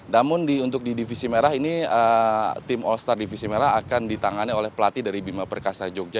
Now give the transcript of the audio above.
namun untuk di divisi merah ini tim all star divisi merah akan ditangani oleh pelatih dari bima perkasa jogja